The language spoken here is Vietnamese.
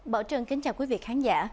bảo trân kính chào quý vị khán giả